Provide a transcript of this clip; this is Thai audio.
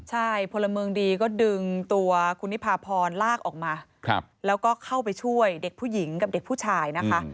ใช่พลเมืองดีก็ดึงตัวคุณนิพาพรลากออกมาแล้วก็เข้าไปช่วยเด็กผู้หญิงกับเด็กผู้ชายนะคะ